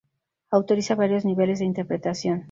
Autoriza varios niveles de interpretación.